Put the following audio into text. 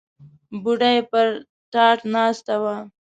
بوډۍ پر تاټ ناسته وه.